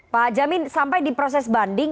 pak jamin sampai di proses banding